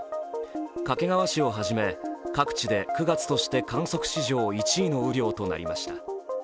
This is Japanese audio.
掛川市をはじめ、各地で９月として観測史上１位の雨量となりました。